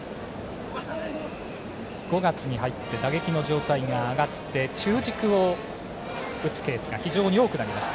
５月に入って打撃の状態が上がって中軸を打つケースが非常に多くなりました。